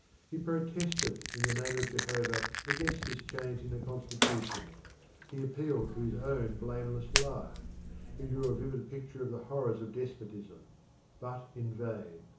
He protested in the name of Jehovah against this change in the constitution; he appealed to his own blameless life; he drew a vivid picture of the horrors of despotism; but in vain.